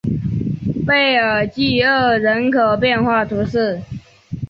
贝尔济厄人口变化图示